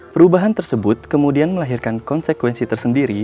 perubahan tersebut kemudian melahirkan konsekuensi tersendiri